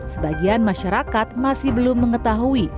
sebagian masyarakat masih belum mengetahui